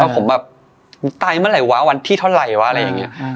ว่าผมแบบตายเมื่อไหร่วะวันที่เท่าไรวะอะไรอย่างเงี้ยอ่า